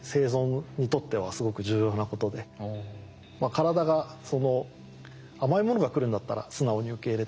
体が甘いものが来るんだったら素直に受け入れたい。